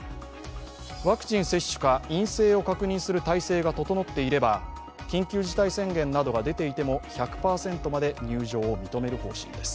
ワクチン接種か陰性を確認する体制が整っていれば緊急事態宣言などが出ていても１００％まで入場を認める方針です。